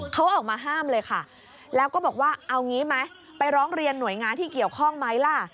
เขาออกมาห้ามเลยค่ะแล้วก็บอกว่าเอางี้ไหมไปร้องเรียนหน่วยงานที่เกี่ยวข้องไหมล่ะ